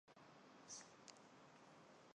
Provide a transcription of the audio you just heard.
初级教育应属义务性质。